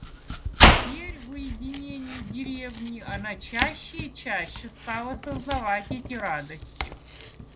Теперь, в уединении деревни, она чаще и чаще стала сознавать эти радости.